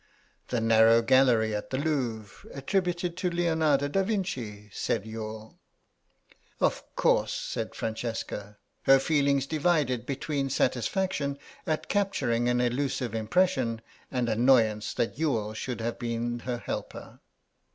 "The narrow gallery at the Louvre; attributed to Leonardo da Vinci," said Youghal. "Of course," said Francesca, her feelings divided between satisfaction at capturing an elusive impression and annoyance that Youghal should have been her helper.